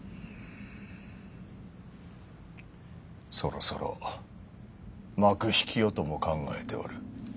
そろそろ幕引きをとも考えておる。